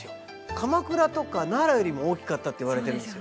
鎌倉とか奈良よりも大きかったっていわれてるんですよ。